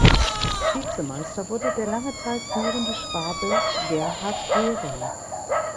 Vizemeister wurde der lange Zeit führende Schwabe Gerhard Gehring.